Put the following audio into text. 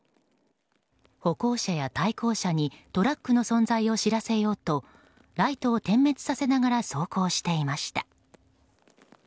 歩行者や対向車にトラックの存在を知らせようとライトを点滅させながら走行していました。